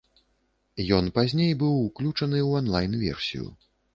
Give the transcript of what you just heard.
Ён пазней быў уключаны ў онлайн-версію.